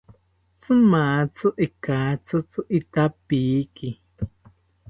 Tzimatzi ikatzitzi itapiki